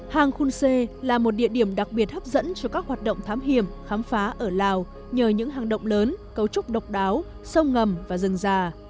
hang khunse là một địa điểm đặc biệt hấp dẫn cho các hoạt động thám hiểm khám phá ở lào nhờ những hang động lớn cấu trúc độc đáo sông ngầm và rừng già